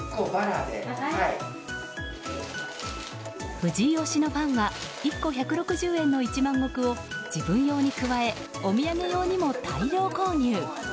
藤井推しのファンは１個１６０円の一万石を自分用に加えお土産用にも大量購入。